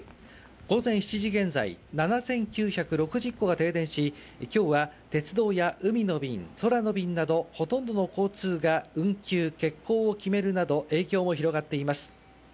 午前７時現在、７９６０戸が停電し今日は鉄道や海の便、空の便などほとんどの交通が運休、欠航を決めるなど影響も広がっています。